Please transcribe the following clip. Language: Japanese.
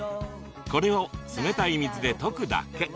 これを冷たい水で溶くだけ。